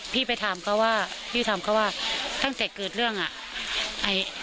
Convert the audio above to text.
ไปถามเขาว่าพี่ถามเขาว่าตั้งแต่เกิดเรื่องอ่ะ